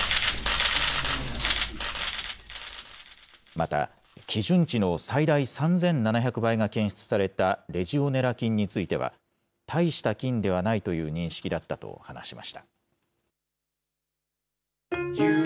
また、基準値の最大３７００倍が検出されたレジオネラ菌については、大した菌ではないという認識だったと話しました。